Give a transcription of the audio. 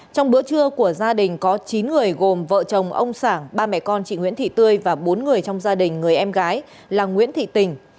trong bữa trưa của gia đình có chín người gồm vợ chồng ông sảng ba mẹ con chị nguyễn thị tươi và bốn người trong gia đình người em gái là nguyễn thị tình